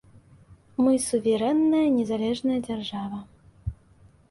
Мы суверэнная незалежная дзяржава.